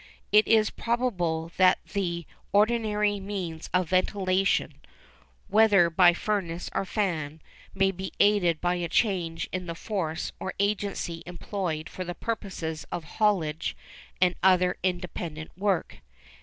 It is probable that the ordinary means of ventilation—whether by furnace or fan—may be aided by a change in the force or agency employed for the purposes of haulage and other independent work.